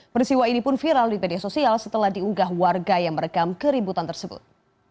persiwa ini pun viral di media sosial setelah diunggah warga yang merekam keributan tersebut